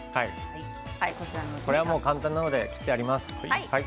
これは簡単なので切ってあります。